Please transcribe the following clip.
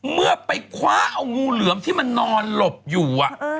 เมื่อไปคว้าเอางูเหลือมที่มันนอนหลบอยู่